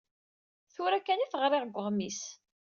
Tura kan i t-ɣriɣ deg uɣmis.